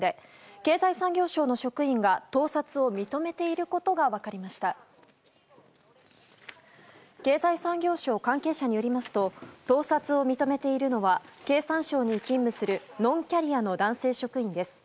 経済産業省関係者によりますと盗撮を認めているのは経産省に勤務するノンキャリアの男性職員です。